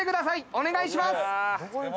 お願いします。